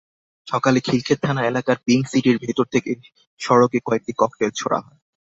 সকালে খিলক্ষেত থানা এলাকার পিংক সিটির ভেতর থেকে সড়কে কয়েকটি ককটেল ছোড়া হয়।